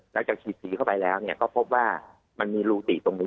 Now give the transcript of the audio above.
แล้วจากฉีดสีเข้าไปแล้วก็พบว่ามันลูติตรงนี้